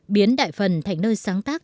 biến đại phần thành nơi sáng tác